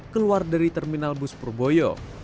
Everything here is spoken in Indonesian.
keluar dari terminal bus purboyo